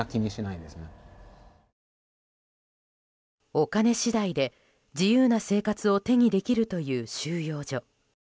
お金次第で、自由な生活を手にできるという収容所。